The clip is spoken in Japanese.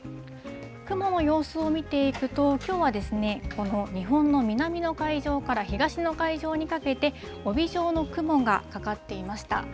雲の様子を見ていくと、きょうはですね、この日本の南の海上から東の海上にかけて、帯状の雲がかかっていました。